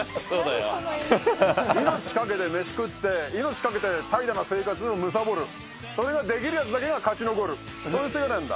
命かけて飯食って、命かけて怠惰な生活をむさぼる、それができるやつだけが勝ち残る、そういう世界なんだ。